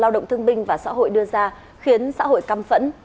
mà bộ lao động thương binh và xã hội đưa ra khiến xã hội căm phẫn